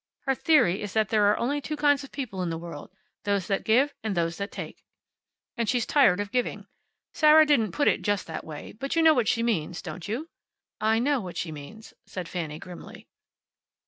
Her theory is that there are only two kinds of people in the world. Those that give, and those that take. And she's tired of giving. Sarah didn't put it just that way; but you know what she means, don't you?" "I know what she means," said Fanny, grimly.